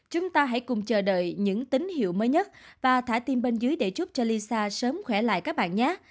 chúng ta hãy cùng chờ đợi những tín hiệu mới nhất và thả tim bên dưới để giúp cho lisa sớm khỏe lại các bạn nhát